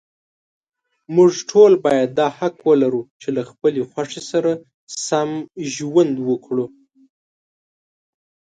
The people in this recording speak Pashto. موږ ټول باید دا حق ولرو، چې له خپلې خوښې سره سم ژوند وکړو.